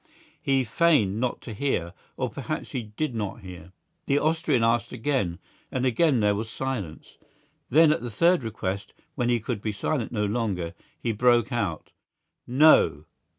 He feigned not to hear, or perhaps he did not hear. The Austrian asked again, and again there was silence. Then, at the third request, when he could be silent no longer, he broke out: "No!